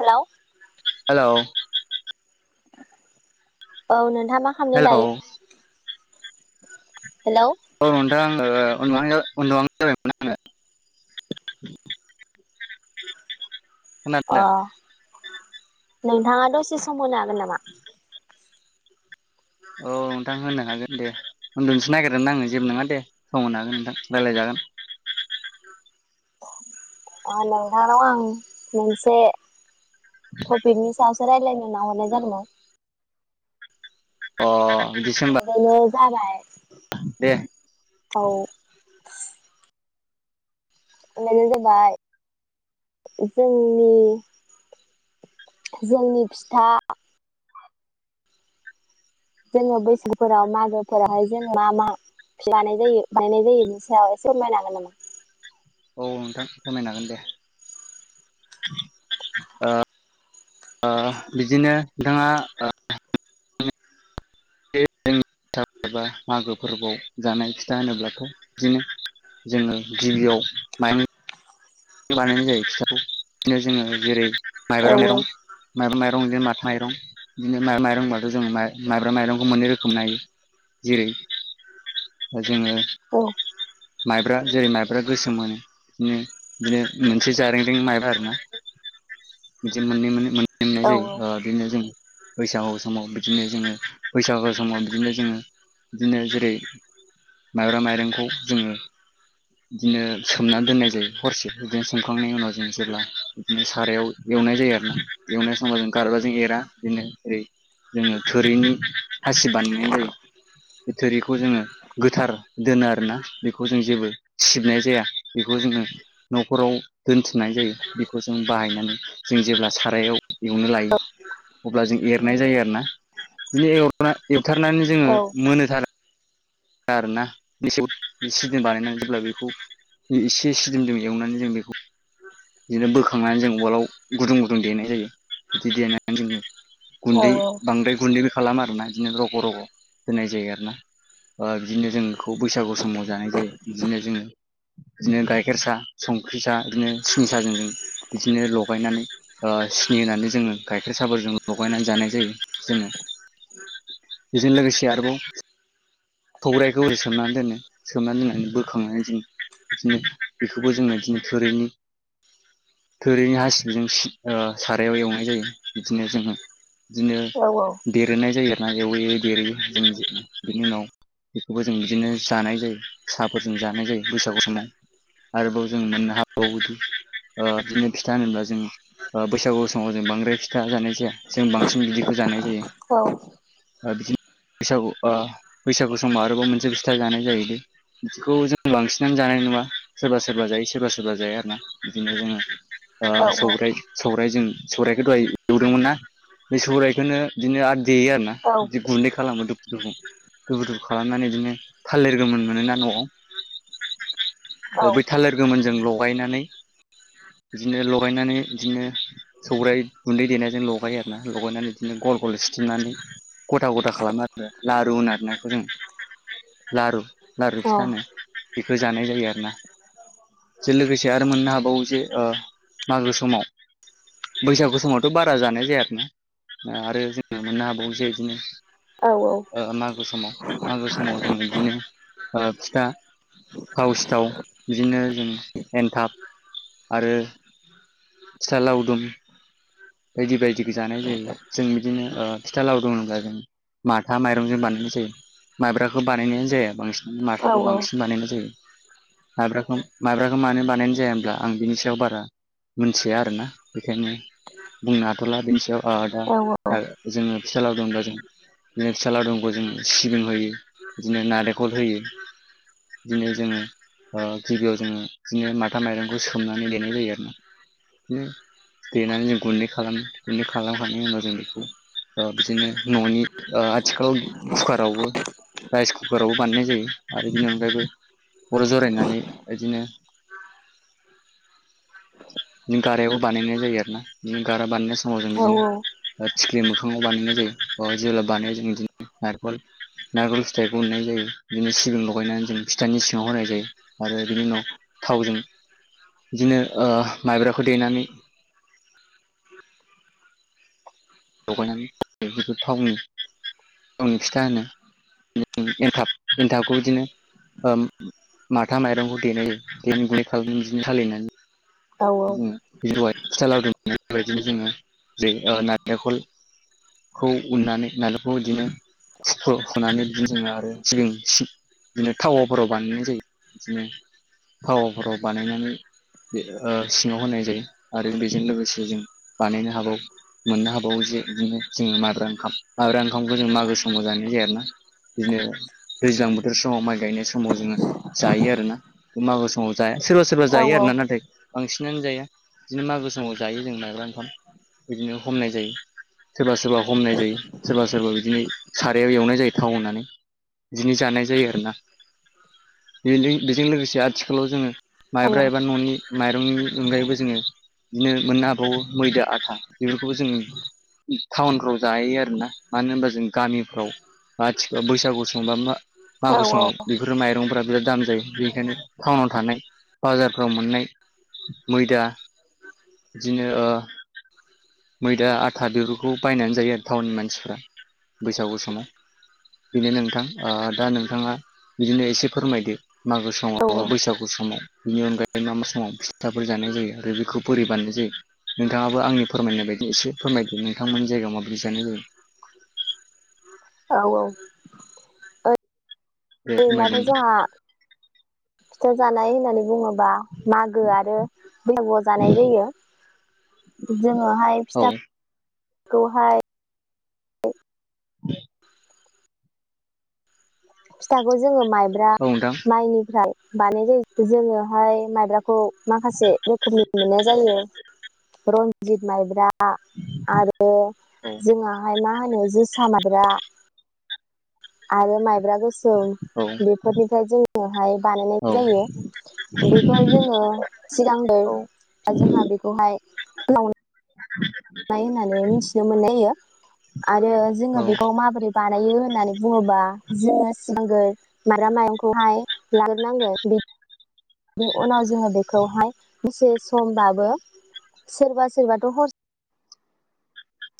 Hello. Hello. औ नो दा मा खामदों हेलौ दायो? हेलौ औ नोंथां ओ अन्दुहां जाबा- उन्दुहां जाबायमोन आरो। अ खोनादों? नोंथाङा दसे सम मोनो हागोन नामा? औ नोंथां होनो हागोन दे उन्दुनोसो नागिरदोंमोन आङो जेबो नङा दे सम होनो हागोन नोंथां रायज्लायजागोन। ओ नोंथांनाव आं मोनसे। थपिकनि सा रायज्लायनो ना हरनाय जादोंमोन। अ। बिदिसो होमबा [inaudible] जाबाय। दे औ। बेनो जाबाय जोंनि। जोंनि फिथा जोङो बैसागफोराव मागोफोरावहाय जों मा मा लानाय जायो बानायनाय जायो बिनि सायाव एसे फोरमायनो होगोन नामा? औ नोंथां फोरमायनो हागोन दे ओ ओ बिदिनो नोंथाङा। थाहामिनबा मागो फोरबोआव जानाय फिथा होनोब्लाथ' बिदिनो जोङो गिबियाव माइरं। लानायनाय जायो फिथाखौ बिदिनो जोङो जेरै औ माइब्रा माइरं माइब्रा दंजे माथा माइरं बिदिनो माइरंबाथ' जों माइब्रा माइरंखौ मोननै रोखोमै मोनो हाथों, जेरै- जोङो माइ औ माइब्रा जेरै माइब्रा गोसोम मोनो बिदिनो। बिदिनो मोनसे जारेंरें माइब्रा आरोना बिदि मोननै मोनो। मोनो मोननाय जायो औ बिदिनो जों बैसागु समाव बिदिनो जोङो बैसागु समाव बिदिनो जोङो बिदिनो जेरै माइब्रा माइरंखौ जोङो बिदिनो सोमनानै दोननाय जायो। हरसेफोर जों सोमखांनायनि उनाव जों जेब्ला बिदिनो सारायाव एवनाय जायो आरोना एवनाय समाव जों गारबाजों एरा बिदिनो जेरै जोङो थोरिनि हासिब बानायनाय जायो बे थोरिखौ जोङो गोथार दोनो आरोना बेखौ जों जेबो सिबनाय जाया बेखौ जोङो। न'खराव दोनथुमनाय जायो बेखौ जों बाहायनानै जों जेब्ला सारायाव एवनो लायो अब्ला जों एरनाय जायो आरोना। [inaudible] बुथारनानै जोङो औ मोनहोथार आरोना मेसौ सिदोम बानायनानै जेब्ला बेखौ एसे सिदोम जों एवनानै जों बेखौ बिदिनो बोखांनानै जों उवालाव गुदुं गुदुं देनाय जायो बिदि देनानै जोङो। औ गुन्दै बांद्राय गुन्दै खालाम आरोना बिदिनो रग' रग' होनाय जायो आरोना। ओ बिदिनो जों बेखौ बैसागु समाव जानाय जायो बिदिनो जोङो बिदिनो गाइखेर साहा संख्रि साहा बिदिनो सिनि साहाजों जों बिदिनो लगायनानै सिनि होनानै जोङो गाइखेर साहाफोरजों लगायनानै जानाय जायो। जोङो बेजों लोगोसे आरोबाव। सौवराइखौ ओरै सोमनानै दोनो सोमनानै दोननानै बोखांनानै जों बिदिनो बेखौबो जों बिदिनो थोरिनि थोरिनि हासिबजों सारायाव एवनाय जायो बिदिनो जोङो। बिदिनो औ बेरहोनाय जायो आरो। ना एवैयो बेरहोयो जोंनि बिनि उनाव बेखौबो जों बिदिनो जानाय जायो साहाफोरजों जानाय जायो बैसागु समाव आरोबाव जों मोननो हाबावोदि ओ बिदिनो फिथा होनोबा जों ओ बैसागु समाव जों बांद्राय फिथा जानाय जाया जों बांसिन बिदिखौ जानाय [unintelligible] औ बैसागुओ बैसागु समाव आरोबाव मोनसे फिथा जानाय जायो बिदिखौ जों बांसिनानो जानाय नङा सोरबा सोरबा जायो सोरबा सोरबा जाया आरोना बिदिनो जोङो। औ सौराय सौराय जों सौरायखौ दहाय एवदोंमोनना बे सौरायखौनो बिदिनो आरो। देयो आरोना बिदि गुन्दै खालामो। [inaudible] दोफु दोफु खालामनानै बिदिनो थालिर गोमोन मोनोना न'आव। अ बै थालिर गोमोन। जों लगायनानै बिदिनो लगायनानै बिदिनो सौराइ गुन्दै देनायजों लगायो आरोना लगायनानै बिदिनो गल गल सिथुमनानै गथा गथा खालामो आरो लारु होनो आरोना। लारु। लारु फिथा होनो। जानाय जायो आरोना बे लोगोसे आरो मोननो हाबावो जे मागो समाव बैसागु समावथ' बारा जानाय जाया आरोना आरो जोङो मोननो हाबावो जे बिदिनो। नांगौ समाव। मागो समाव जों बिदिनो फिथा, थाव सिथाव बिदिनो जों एन्थाब आरो। फिथा लावदुम। बायदि बायदिखौ जानाय जायो जों बिदिनो फिथा लावदुम होनब्ला जों माथा माइरंजों बानायनाय जायो माइब्राखौ बानायनायानो जाया बांसिन। माथाखौ औ बांसिन बानायनाय जायो। माब्राखौ मानो बानायनाय जाया होनब्ला आं बिनि सायाव बारा मोनथिया आरोना बेखायनो बुंनो हाथ'ला बेनि सायाव। औ दा। जोङो फिसा लावदुम बा जों बिदिनो फिसा लावदुखौ जों सिबिं होयो। बिदिनो नारेंखल होयो बिदिनो जोङो ओ गिबियाव जोङो बिदिनो माथा माइरंखौ सोमनानै देनाय जायो आरो ना बिदिनो देनानै जों गुनै खालामनो गुनै खालामखांनायनि उनाव जों बेखौ ओ बिदिनो न'नि ओ आथिखालाव कुकारावबो राइस कुकारावबो बानायनाय जायो। आरो बिनि अनगायबो खर' जरायनानै इदिनो गारायाव बानायनाय जायो आरो ना। गारा बानासो। समावजों बिदिनो जे मोखाङाव बानायनाय जायो। अ जेब्ला बानायो जों बिदिनो नारेखल नारेखल फिथाइखौ उनाय जायो। बिदिनो सिबिं लगायनानै जों फिथानि सिङाव होनाय जायो। आरो बिनि उनाव थावजों बिदिनो ओ माइब्राखौ देनानै लगायनानै थावनि थावनि फिथा होनो एनथाब एनथाबखौ बिदिनो ओ माथा माइरंखौ देनाय जायो देनानै गुैदै खालामनानै बिदिनो सालिनानै। जोङो बि‌दहाय फिथा लावदुम बेबायदिनो जोङो जे आ नारेंखलखौ उननानै नालेंखौ इदिनो थिख' हख'नानै बिदिनो जोङो आरो सिबिं सि बिदिनो थावाफोराव बानायनाय जायो। बिदिनो थावाफोराव बानायनानै बे ओ सिङाव होनाय जायो आरो बेजों लोगोसे जों बानायनो हाबाव मोननो हाबावो जे बिदिनो जोङो माद्रा ओंखाम माद्रा ओंखामखौ जों मागो समाव जानाय जायो आरोना बिदिनो दैज्लां बोथोर समाव माइ गायनाय समाव जोङो जायो आरोना अ मागो समाव जाया। सोरबा सोरबा जायो आर ना औ-औ-औ-औ-औ-औ-औ-औ-औ-औ-औ नाथाय। बांसिनानो जाया बिदिनो मागो समाव जायो। जों माइब्रा ओखाम बिदिनो हमनाय जायो। सोरबा सोरबा हमनाय जायो। सोरबा सोरबा बिदिनो सारायाव एवनाय जायो। थाव होनानै बिदिनो जानाय जायो आरो ना बेलें बेजों लोगोसे आथिखालाव जोङो। माइब्रा एबा न'नि। माइरंनि अनगायैबो जोङो बिदिनो मोननो हाबावो मैदा, आथा बेफोरखौबो जों टाउनफ्राव जायो। आरोना मानो होनबा जों गामिफ्राव आथिखा बैसागु समबा मा। मागो समाव बेफोर माइरंफोरा बिराद दाम जायो। बेनिखायनो टाउनाव थानाय बाजार। फोराव मोननाय। मैदा बिदिनो ओ मैदा, आथा बेफोरखौ बायनानै जायो आरो टाउननि मानसिफ्रा। बैसागु समाव बेनो नोंथां। आ दा नोंथाङा बिदिनो एसे फोरमायदो। मागो समावा नोङा बैसागु समाव! बिनि अनगायै मा मा समाव। फिथाफोर जानाय जायो आरो बेखौ बोरै बाननाय जायो नोंथाङाबो आंनि फोरमायनाय बायदि एसे फोरमायदो नोंथांमोननि जायगायाव माबदि जानाय जायो? औ औ बेे खमाय दों [inaudible] जोंहा फिथा जानाय होननानै बुङो बा मागो आरो बैसागुआव जानाय जायो जोङोहाय औ फिथा खौ हाय [inaudible] फिथाखौ जोङो माइ ब्रा औ नोंथां माइनिफ्राय बानाय जायो जोङोहाय माइब्रा खौ माखासे रोखोमनि मोननाय जायो रन्जित माइब्रा आ आरो औ जोंहाय मा मा होनो जोसा माद्रा आरो माइ ब्रा गोसोम औ बेफोरनिफ्राय जोङोहाय बानायनाय औ जायो बेखौ जोङो सिगांगोर जोंहा बेखौहाय ला नाय होननानै मिथिनो मोननाय जायो आरो औ जोङो बेखौ माबोरै बा बानायो होननानै बुङोबा जोङो सिगांगोर माइब्रा माइरंखौहाय लाग्रोनांगोन बि बेनि उनाव जोङो बेखौहाय दसे समबाबो सोरबा सोरबाथ' हर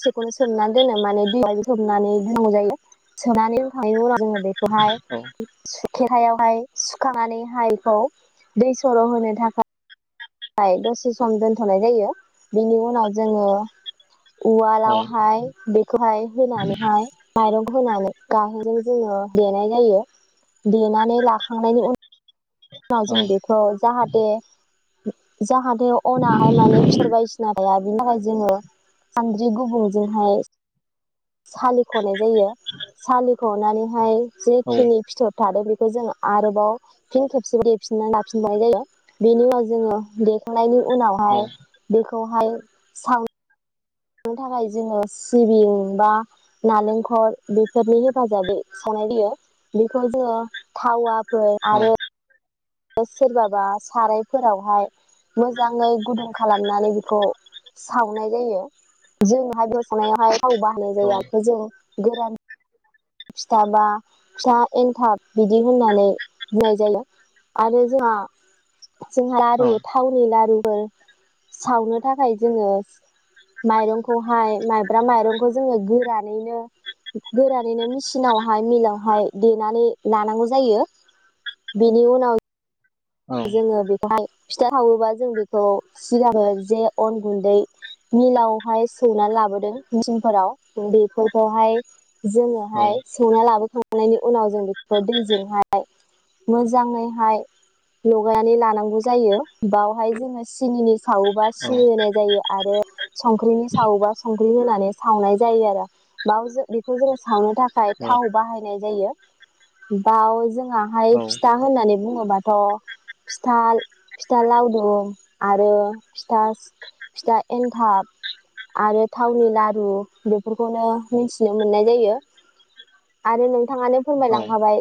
सेखौनो सोमनानै दोनो माने दैयाव सोमनानै दौ जायो सोमखांनायनि उनाव जों बेखौहाय औ खेरहायावहाय सुखांनानैहाय बेखौ दै सर' होनो थाखाय [unintelligible] दसे सम दोनथ'नाय जायो बिनि उनाव जोङो औ उवालावहाय बेखौहाय होनानैहाय माइरं होनानै गाहेनजों जोङो देनाय जायो देनानै लाखांनायनि उनाव उनाव जों बेखौ जाहाथे जाहा थे अनाहाय माने फिथर बायदिसिना थाया बिनि थाखाय जोङो सानद्रि गुबुंजोंहाय सालि खनाय जायो सालिख' नानैहाय औ जेखिनि फिथर थादों बे [unintelligible] जोंङ आरोबाव फिन खेबसे देफिननानै लाफिननाय जायो बेनि उनाव जोङो देखांनायनि औ उनावहाय बेखौहाय सां संनो थाखाय जोङो सिबिं बा नालेंखल बेफोरनि हेफाजाबै सावनाय जायो बेखौ जोङो थावा खो औ आरो सोरबाबा सारायफोरावहाय मोजाङै गुदुं खालामनानै बेखौ सावनाय जायो जोंहाय बे सावनायावहाय थाव बाहायनाय औ जायो [inaudible] गोरान फिथा बा फिथा एन्थाब बिदि होननानै बुंनाय जायो आरो जोंहा जोंहा लारु थावनि लारु फोर सावनो थाखाय जोङो माइरंखौहाय माइब्रा माइरंखौ जोङो गोरानैनो बिनो मिचिनावहाय मिलावहाय देनानै लानांगौ जायो बेनि उनाव जोङो बेखौहाय फिथा सावोबा जों बेखौ सिगाङो जे अन गुन्दै मिलावहाय सौनानै लाबोदों मिचिनफोराव बेफोरखौहाय जोङोहाय सौना लाबोखां खांनायनि उनाव जों बेखौ दैजोंहाय मोजाङैहाय लगायनानै लानांगौ जायो बावहाय जोङो सिनिनि सावोबा सिनि होनाय जायो आरो संख्रिनि सावोबा सं संख्रि होनानै सावनाय जायो आरो बाव जो बेखौ जों सावनो थाखाय थाव बाहायनाय जायो दाव जों हाय फिथा होननानै बुङोबाथ ' फिथा फिथा लावदुम आरो फिथा फिथा एन्थाब आरो थावनि लारु बेफोरखौनो मिथिनो मोननाय जायो आरो नों थाङानो फोरमायलांखाबाय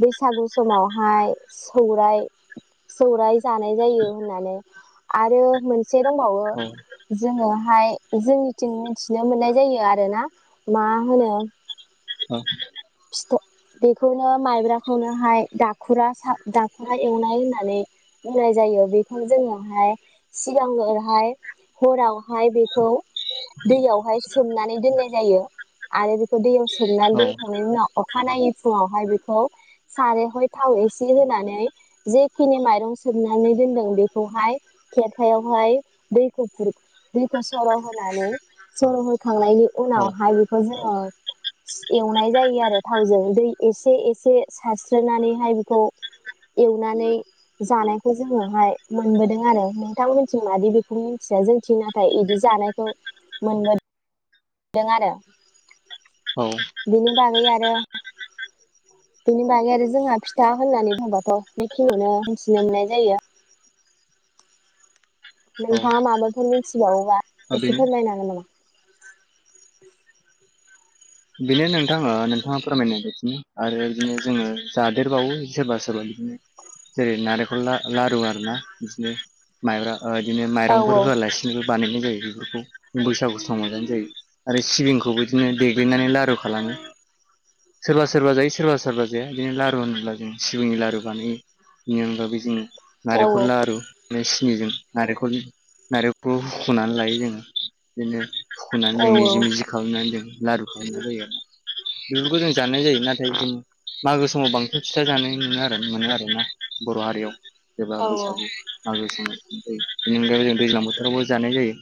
बैसागु समावहाय सौराय सौराय जानाय जायो होननानै आरो मोन से दंबावो जोङो हाय जोंनिथिं मिथिनो मोननाय जायो आरोना मा होनो औ बेखौनो माइब्राखौनोहाय दाखुरा सा दाखुरा एवनाय होननानै बुंनाय जायो बेखौनो जोङोहाय सिगाङो ओरैहाय हराव हाय बेखौ दैयावहाय सोमनानै दोननाय जायो आरो बे खो दैयाव सोमना औ दोन ना अखानायै फुङावहाय बेखौ सारायावहाय थाव एसे होनानै जेखिनि मायरं सोमनानै दोनदों बेखौहाय खेरखायावहाय दैखौ खुरै दैखौ सर होनानै सर हो खांनायनि उनावहाय बेखौ जों अ एवनाय जायो आरो थावजों दै एसे एसे सारस्रोनानैहाय बेखौ एवनानै जानायखौ जोङोहाय मोनबोदों आरो। नोंथांमोनथिं मादि बेखौ मिथिया जोंथिं नाथाय इदि जानायखौ मोनबो दों आरो बिनि बागै आ रो बेनि बागै आरो जोंहा फिथा होननानै बुंबाथ बेखिनिखौनो मिथिनो मोननाय जायो। औ नोंथाङा माबाफोर मिथिबावोबा औ एसे बेनो फोरमायनो हागोन नामा? [inaudible] बेनो नोंथाङा नोंथाङा फोरमाय बायदिनो आरो बिदिनो जोङो जादेरबावो सोरबा सोरबा बिदिनो जेरै नारेंखल ला लारु आरोना बिदिनो माइब्रा ओ इदिनो माइरंफोर औ होआलासिनोबो बानायनाय जायो बेफोरखौ बैसागु समाव जानाय जायो आरो सिबिंखौबो इदिनो दे नानै लारु खालामो, सोरबा सोरबा जायो सोरबा सोरबा जाया बिदिनो लारु होनोब्ला जों सिबिंनि लारु बानायो, बिनि अनगाबो जोङो औ नारेखल लारु माने सिनिजों नारेखल नारेखौ हुखनानै लायो जोङो बिदिनो हुखनानै औ जों मिजि मिजि खालामनानै जों लारु खालामनाय जायो आरो। बेफोरखौ जों जानाय जायो नाथाय जों मागो समाव बांसिन फिथा जानाय मोनो आरो मोनो आरोना बर हारियाव एबा औ बैसागु मागो सिम ओमफाय बेनि अनगायैबो जों दैज्लां बोथोरावबो जानाय जायो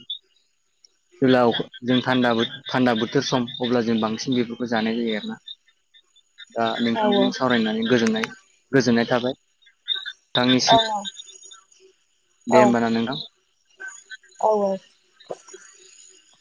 जेब्ला अखा जों थान्दा बोथ थान्दा बोथोर सम अब्ला जों बांसिन बेफोरखौ जानाय जायो आरोना। दा औ नोंथांजों सावरायनानै गोजोननाय गोजोननाय थाबाय। थांनिसिम औ दे औ होमबाना नोंथां। औ [inaudible]